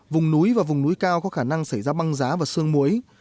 vùng núi và vùng núi cao có khả năng xảy ra băng giá và sương muối